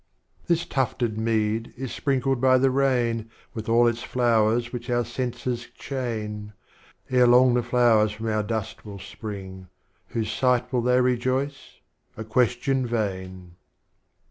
XVII. This Tufted Mead is sprinkled by the Rain With all its Flowers which our Senses chain, — Ere long the Flowers from our Dust will spring, Whose sight will they rejoice? A Question vain.